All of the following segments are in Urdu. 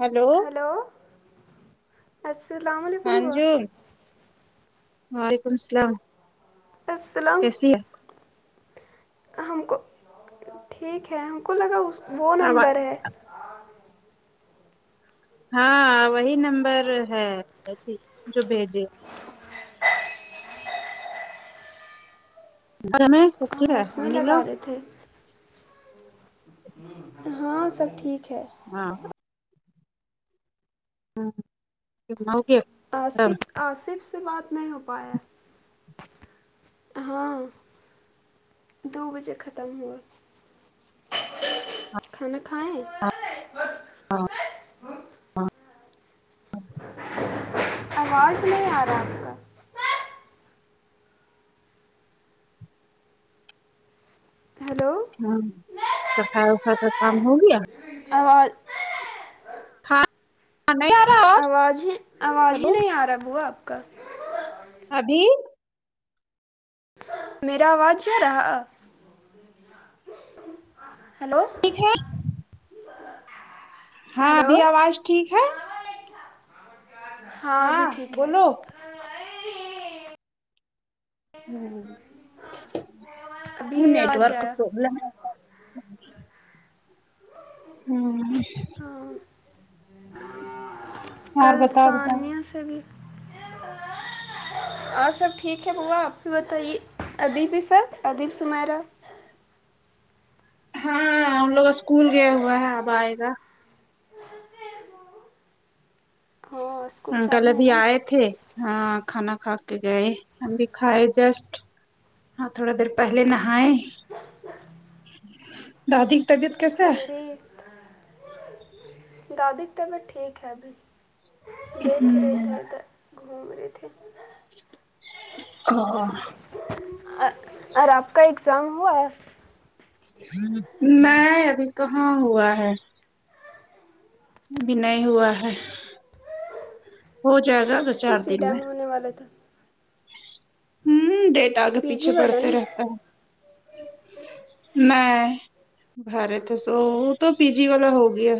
ہلو ہیلو السلام علیک ہاں جی وعلیکم السلام السلام کیسی ہے ہم کو ٹھیک ہے ہم کو لگا اس وہ نمبر ہے ہاں وہی نمبر ہے ایسی جو بھیجے سب جانے سب ٹھیک ہم ہیں اس میں امی لگا لوگ رہے تھے ہاں سب ٹھیک ہے ہاں ہمم اوکے آصف آصف سے بات نہیں ہو پایا ہاں دو بجے ختم ہوا کھانا کھائے ہاں ہاں ہاں آواز نہیں آ رہا کا ہیلو ہاں صفائی وفائی کا کام ہو گیا آواز تھا آ نہیں آرہا آوا آواز ہی آواز ہی نہیں آ رہا ہے بووا آپ کا ابھی میرا آواز آ رہا ہیلو ٹھیک ہے ہاں ہلو ابھی آواز ٹھیک ہے ہاں ابھی ٹھیک ہے بولو ہمم وہ ابھی آواز نیٹورک آیا پرابلم ہے ہمم ہاں اور کل بتاؤ بتاؤ ثانیہ سے بھی اور سب ٹھیک ہے بوا آپ بھی بتائیے ادیب ہی سر ادیب سمیرا ہاں ان لوگ اسکول گیا ہوا ہے اب آئے گا ہاں اسکول انکل چالو ہے ابھی نہیں آئے تھے ہاں کھانا کھا کے گئے ہم بھی کھائے جسٹ ہاں تھوڑا دیر پہلے نہائے دادی طبیعت کسے ہم بھی دادی کی طبیعت ٹھیک ہے ابھی ہے دیکھ رہے ادھر ادھر گھوم رہے تھے [unintelligible] اور آپ کا اگزام ہوا نہیں ابھی کہاں ہوا ہے ابھی نہیں ہوا ہے ہو جائے گا تو چار اسی دن ٹائم میں ہونے والا تھا ہمم ڈیٹ آگے پی پیچھے جی والا بڑھتے نا رہتا ہے [inaudible] میں بھرے تو سو وہ تو پی جی والا ہو گیا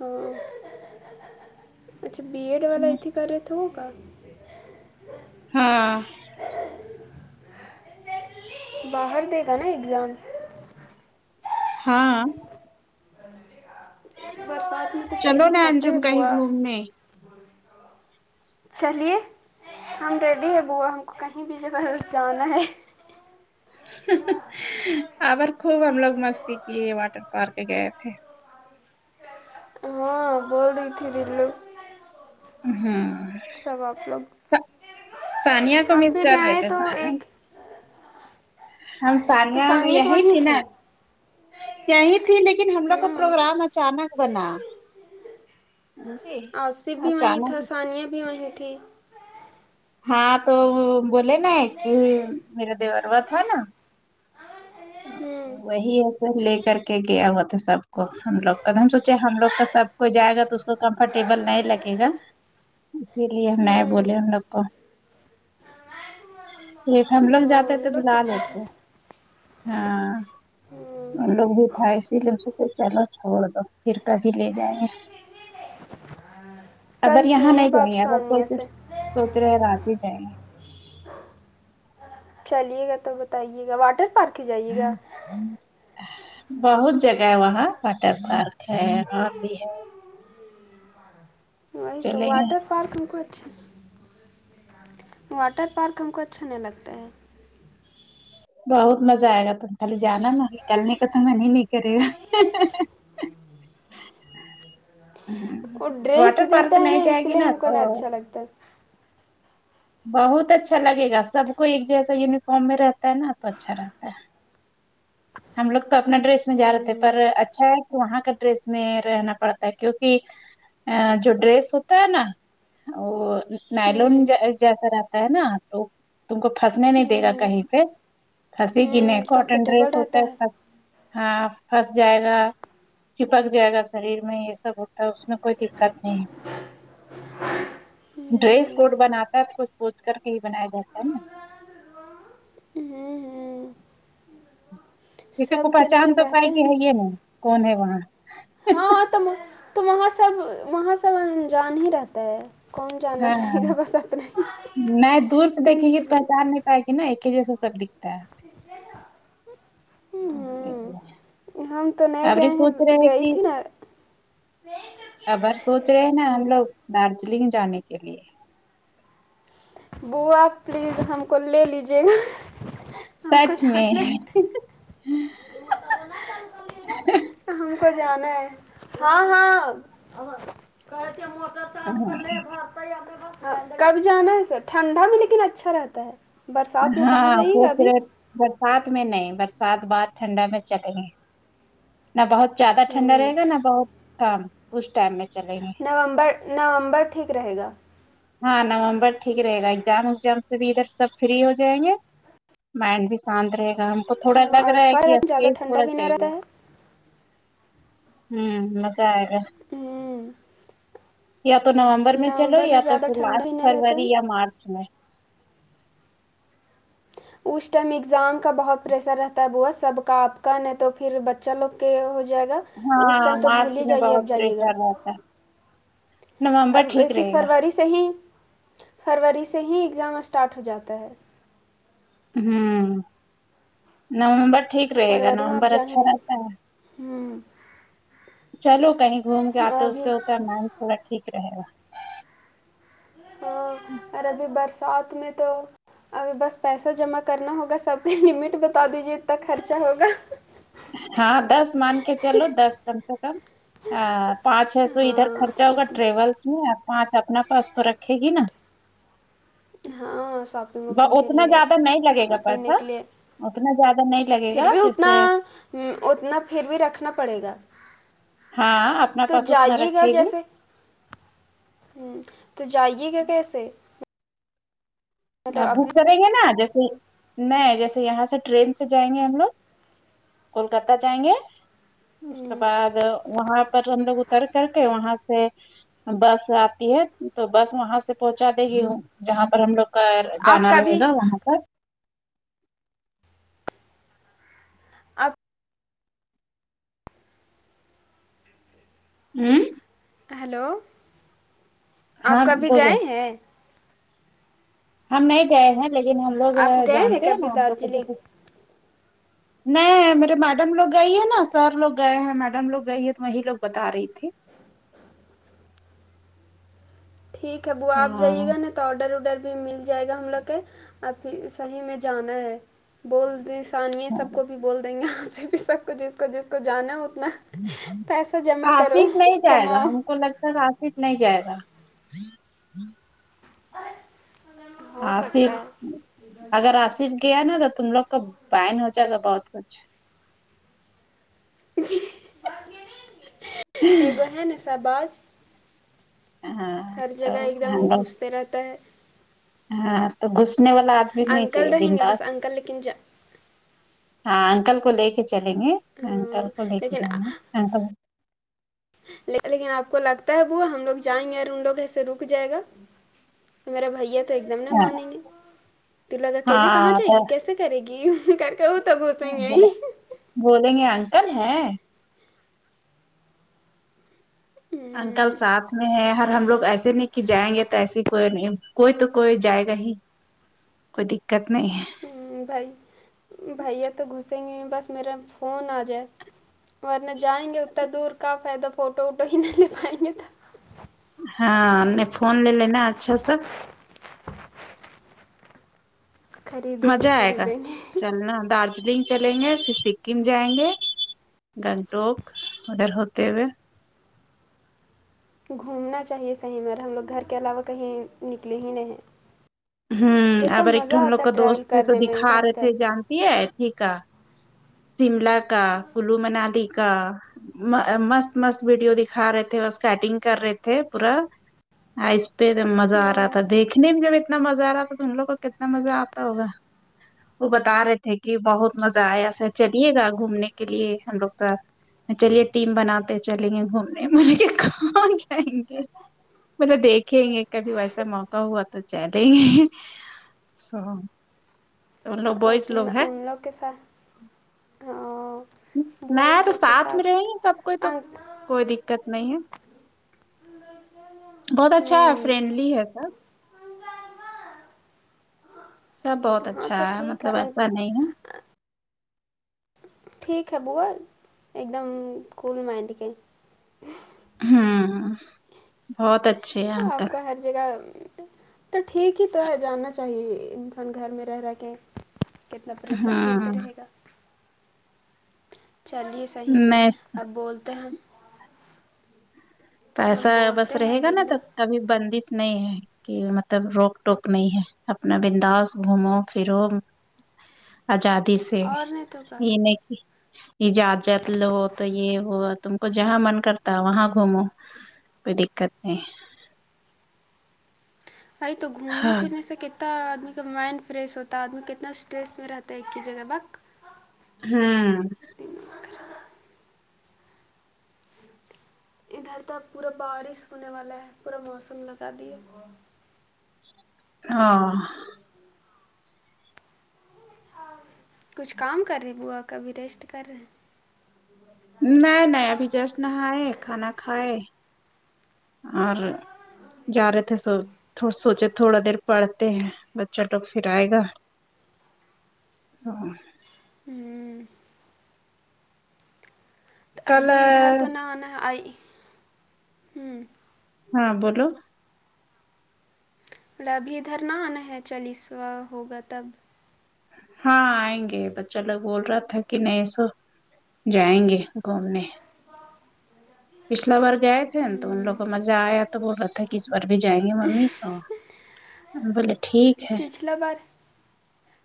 ہاں اچھا بی ایڈ والا اتی کر رہے تھے ہوگا ہاں باہر دے گا نا اگزام ہاں برسات میں تو پھر چلو نہ دقتیں انجم ہے کہیں بوا گھومنے [inaudible] چلیے ہم ریڈی ہے بوا ہم کو کہیں بھی جگہ جانا ہے اور خوب ہم لوگ مستی کیے واٹر پارک گئے تھے ہاں بول رہی تھی دلو ہمم سب آپ لوگ سا سانیہ کو ہم مس بھی کر رہے گئے تھے تو ایک ہم تو سانیہ ثانیہ تو یہیں وہیں تھی نا یہی تھی لیکن ہم لوگ کا ہوں پروگرام اچانک بنا جی آصف بھی وہیں تھا اچانک ثانیہ بھی وہیں تھی ہاں تو بولے نا کہ میرا دیوروا تھا نا ہوں وہی ہے سب لے کر کے گیا ہوا تھا سب کو ہم لوگ کا تو ہم سوچے ہم لوگ کا سب کو جائے گا تو اس کو کمفرٹیبل نہیں لگے گا اسی لیے نئے ہوں بولے ان لوگ کو ہم لوگ جاتے ہیں ان تو لوگ بلا کے ساتھ لتے ہاں ہوں لوگ بھی تھاھائے اسی لیے چلو چوڑ دو پھر کب لے جائیں گے کل اگر یہاں کیے نہیں بات جائیںے اگر ثانیہ سونچو سے سونچ رہے ہیں آ ہی جائیں گ چلیے گا تو بتائیے گا واٹر پارک ہی جائیے گا ہوں بہت جگہ ہے وہاں واٹر پارک ہے اور بھی ہے وہ تو چلیں گے واٹر پارک کرچ واٹر پارک ہم کو اچھا نہیں لگتا ہے بہت مزہ آئے گا تم کے جانا نا نکلنے کا تو من ہی نہیں کرے گا ہ ہ وہ ڈریس واٹر پارک دیتا ہے نا نہیں جائے اس گی لیے ہم کو تو نا اچھا لگتا ہے بہت اچھا لگے گا سب کو ایک جیسا یونیفارم میں رہتا ہے نا تو اچھا رہتا ہے ہم لوگ تو اپنا ڈریس میں جا رہے تھے ہوں پر اچھا ہے کہ وہاں کا ڈریس میں رہنا پڑتا ہے کیوںکہ ا جو ڈریس ہوتا ہے نا وہ نائلون ہوں جیسا رہتا ہے نا تو تم کو پھنسنے نہیں دے گا ہوں کہیں پہ پھنسیے گی نہیں ہوں کاٹن کمفرٹیبل ڈریس ہو رہتا ہے ہاں پھس جائے گا چھپک جائے گا شریر میں یہ سب ہوتا ہے اس میں کوئی دکت نہیں ڈریس ہوں کوڈ بناتا ہے تو کچھ سونچ کر کے ہی بنایا جاتا ہے نا ہوں ہوں کسی کو سب کوئی پہچان لیکن تو پائے رہتا کہ ہے یہ نہیں کون ہے وہاں ہاں تو تو وہاں سب وہاں سب انجان ہی رہتا ہے کون چینل رہے ہاں گا بس اپنا ہی ف ہے کہ نا ایک ہی جیسا سب دیکھتا ہے ہوں ہم تو نہیں اورور گئے سونچ ہیں رہے گئی کی تھی کہ نا ابار سونچ رہے ہیں نا ہم ہوں لوگ دارجلنگ جانے کے لیے بووا پلیز ہم کو لے لیجے گا ہم کو سچ میں جانا ہے ہم کو جانا ہے ہاں ہاں کر تے موٹر ہاں کر کب جانا ہے سر ٹھنڈا میں لیکن اچھا رہتا ہے برسات میں کہاں ہاں جائیے گا سونچ ابھی رہے برسات میں نہیں برسات بعد ٹھنڈا میں چلے گے نہ بہت زیادہ ٹھنڈا ہوں رہے گا نہ بہت کم اس ٹائم میں چلیں گے نومبر نومبر ٹھیک رہے گا ہاں نومبر ٹھیک رہے گا ایگزام ایگزام سے بھی ادھر سب فری ہو جائیں گے مائنڈ بھی شانت رہے گا ہم کو تھوڑا لگ اور رہا ہے کہ فرق زیادہ اسپیس ٹھنڈا تھوڑا بھی نہیں رہتا چاہیے ہے ہوں مزہ آئے گا ہوں یا تو نومبر میں چلو یا میں تو زیادہ پھر ٹھنڈا لاسٹ ہی نہیں رہتا ہے فروری یا مارچ میں اس ٹائم ایگزام کا بہت پریسر رہتا ہے بوا سب کا آپ کا نہیں تو پھر بچہ لوگ کے ہو جائے گا اس ٹائم ہاں تو بھول مارچ ہی میں جائیے اب بہت جائیے گا پریشر رہتا ہے نومبر اب ٹھیک ہی رہے گا فروری ہی فروری سے ہی ایگزام اسٹارٹ ہو جاتا ہے ہوں نم بر ٹھیک رہے گا فروری میں آپ نومبر جا ہی اچھا نہیں رہتا ہے ہوں چلو کہیں گھوم کے آتے اس ابھی سے اتا من تھوڑا ٹھیک رہے گا ہاں اور ابھی برسات میں تو ابھی بس پیسہ جمع کرنا ہوگا سب کی لمٹ بتا دیجیے اتنا خرچہ ہوگا ہاں دس مان کے چلو دس کم سے کم پانچ چھ سو ادھر ہاں خرچا ہوگا ات- ٹریولس میں پانچ اپنا پاس تو رکھے گی نا ہاں شاپنگ وپنگ کے اتنا لیے زیادہ نہیں لگے گا کھانے پینے پیسہ کے لیے اتنا زیادہ نہیں لگے گا جس سے ہ اتنا پھر بھی رکھنا پڑے گا ہاں اپنا تو پاس اتنا جائیے گا رکھے گی جیسے ہوں تو جائیے گا کیسے مطلب بک اپنا کریں گے نا جیسے میں جیسے یہاں سے ٹرین سے جائیں گے ہم لوگ کولکتہ جائیں گے اس کے ہم، بعد وہاں پر ہم لوگ اتر کر کے وہاں سے بس آتی ہے تو بس وہاں سے پہنچا دے گی ہ جہاں پر ہم لوگ کر آپ جانا رہے کبھی گا وہاں پر آپ ہوں ہلو آپ ہاں کبھی بولو گئے ہیں ہم نہیں گئے ہیں لیکن ہم لوگ آپ گئے جانتے ہیں کبھی نا ہم لوگ کو دارجلنگ نہیں میرے میڈم لوگ گئی ہے نا سر لوگ گئے ہیں میڈم لوگ گئی ہے تو وہی لوگ بتا رہی تھی ٹھیک ہے وہ آپ جائیے ہاں گا نا تو آرڈر ورڈر بھی مل جائے گا ہم لوگ کے ا پھر صحیح میں جانا ہے بول د س آسانیے سب کو بھی بول دیں گے آ ں سے بھی سب کو جس کو جس کو جانا ہے اتنا پیسہ جمع کرو آصف نہیں جائے گا کماؤ ہم کو لگتا ہے آصف نہیں جائے گا ہو آصف سکتا ہے اگر آصف گیا نا تو تم لوگ کا بن ہو جائے گا بہت کچھ ایگو ہے ن ایسا باز ہاں تو ط رہتا ہے ہاں تو گھسنے والا آدمی نہیں انکل چاہیے رہیں گے بس بنداس انکل لیکن جا ہاں انکل کو لے کے چلیں گے انکل ہاں کو لے کے لیکن جائیں گے انکل لیکن آپ کو لگتا ہے بوا ہم لوگ جائیں گے اور ان لوگ ایسے رک جائے گا میرا بھیا تو ایک دم نہ ہاں مانیں گے تو لگ اکیلے کہاں ہاں جائے گی تو کیسے کرے گی کہ تو گھسے گے ہی بولیں گے انکل ہیں انکل ساتھ میں ہے ہر ہم لوگ ایسے نہیں کہ جائیں گے تو ایسی کوئی نہیں کوئی تو کوئی جائے گا ہی کوئی دکت نہیں ہے بھائی بھیا تو گھسیں گے نہیں بس میرا فون آ جائے ورنہ جائیں گے اتنا دور کا فائدہ فوٹو ووٹو ہی نہیں لے پائیں گے تو ہاں نہیں فون لے لے نا اچھا سا خریدیں گے مزہ آئے گا خریدیں گے چلنا دال کچھ دن چلیں گے پھر سکم جائیں گے گنگٹوک ادھر ہوتے ہوئے گھومنا چاہیے صحیح مر ہم لوگ گھر کے علاوہ کہیں نکلے ہی نہیں ہیں ہ کتنا ار ایکٹ مزہ ہم لوگ آتا ہے کا دوست ٹریول ہے تو کرنے میں دکھا ادھر رہے ادھر تھے جانتی ہے ٹھیکا سیملا کا کلو منالی کا م-مست مست ویڈیو دکھا رہے تھے اور اسکٹنگ کر رہے تھے پورا اس پہ مزہ آ رہا ہوں تھا دیکھنے میں جب اتنا مزہ آ رہا تھا تم لوگ کو کتنا مزہ آتا ہوگا وہ بتا رہے تھے کہ بہت مزہ آیا سا چلیے گا گھومنے کے لیے ہم لوگ سر چلیے ٹیم بناتے چلیں گے گھومنے میں نے کہا کہاں جائیں گے مطلب دیکھیں گے کبھی ویسا موقع ہوا تو چلیں گے سو تو ان لوگ بوائز ہے ان لوگ کے ساتھ میں بوائز تو لوگ کے ساتھ میں رہی ہوں سب کوئی تو انک کوئی دقت نہیں ہے بہت اچھا ہے فرینڈلی ہے سب سب بہت ہاں اچھا تو ہے ٹھیک مطلب ایسا نہیں ہے انک ٹھیک ہے بوا ایک دم کول مائنڈ کے ہوں بہت اچھا ہاں آپ کو ہر جگہ تو ٹھیک ہی تو ہے جانا چاہیے انسان گھر میں رہ رہ کے کتنا پریسر ہوں جھیلتے رہے گا چلیے صحیح میں اب بولتے ہیں پیسا ہم بس بولتے ہیں رہے گا ناں دل تو کبھی بندش نہیں ہے کہ مطلب روک ٹوک نہیں ہے اپنا بنداس گھومو پھرو آزادی سے اور نہیں تو کا یہ نہیں کہ اجازت لو تو یہ ہو تم کو جہاں من کرتا ہے وہاں گھومو کوئی دقت نہیں بھائی تو گھومنے ہاں پھرنے سے کت تا آدمی کا مائنڈ فریش ہوتا ہے آدمی کتنا اسٹریس میں رہتا ہے ایک ہی جگہ وقت ہوں بھر۔ ادھر تو پورا بارش ہونے والا ہے پورا موسم لگا دیا ہاں کچھ کام کر رہی بوا کا بھی ریسٹ کر رہے ہیں نئی نئی ابھی جسٹ نہاۓ کھانا کھائے اور جا رہے تھے سو تھ سوچے تھوڑا دیر پڑھتے ہیں بچہ لوگ پھر آئے گا سو ہوں کل ابھی ادھر تو نہ نہ آئی ہوں ہاں بولو ابھی ادھر نہ آنا ہے چالیسوا ہوگا تب ہاں آئیں گے بچہ لوگ بول رہا تھا کہ نہیں ای سو جائیں گے گھومنے پچھلا بار گئے تھے ناں تو ان ہوں، لوگ کو مزہ آیا تو بول رہا تھا کہ اس بار بھی جائیں گے ممی سو بولے ٹھیک ہے پچھلا بار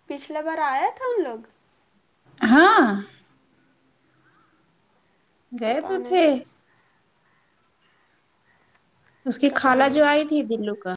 پچھلا بار آیا تھا ہم لوگ ہاں گئے تو پتہ نہیں تھے اس کی پتہ خالہ جو نہیں آئی تھی دلو کا